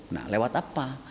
nah lewat apa